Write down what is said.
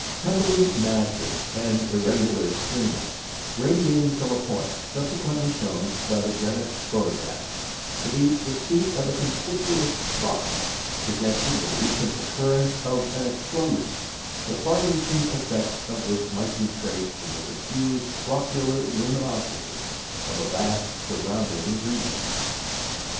Tumbling masses and irregular streamers radiating from a point subsequently shown by the Greenwich photographs to be the seat of a conspicuous spot, suggested the recent occurrence of an explosion, the far reaching effects of which might be traced in the confused floccular luminosity of a vast surrounding region.